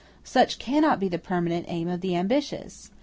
Such cannot be the permanent aim of the ambitious.